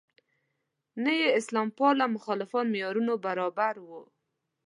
نه یې اسلام پاله مخالفان معیارونو برابر وو.